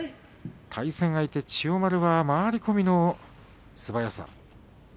対戦相手の千代丸は回り込みの素早さ